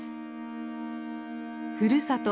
ふるさと